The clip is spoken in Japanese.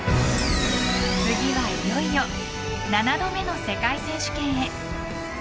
次はいよいよ７度目の世界選手権へ。